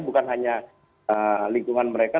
bukan hanya lingkungan mereka